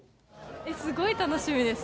すごい楽しみです。